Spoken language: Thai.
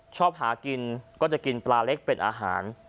ชอบหากินก็จะกินปลาเล็กเป็นอาหาร